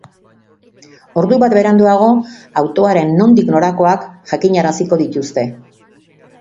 Ordu bat beranduago autoaren nondik norakoak jakinaraziko dituzte.